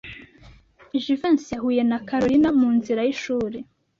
Jivency yahuye na Kalorina munzira yishuri.